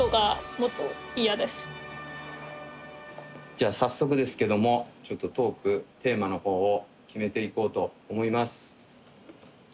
じゃあ早速ですけどもちょっとトークテーマの方を決めていこうと思います。